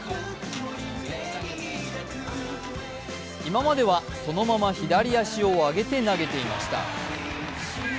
今まではそのまま左足を上げて投げていました。